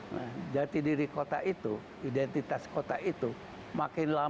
nah jati diri kota itu identitas kota itu makin lama